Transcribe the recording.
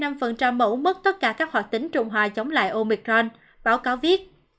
một mươi sáu năm mẫu mất tất cả các hoạt tính trùng hòa chống lại omicron báo cáo viết